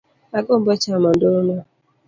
Agombo chamo nduma